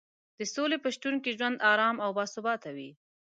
د سولې په شتون کې ژوند ارام او باثباته وي.